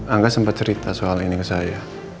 angga sempat cerita soal ini ke saya